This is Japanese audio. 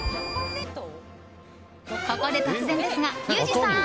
ここで突然ですが、ユージさん。